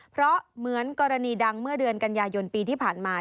เพราะเหมือนกรณีดังเมื่อเดือนกันยายนปีที่ผ่านมา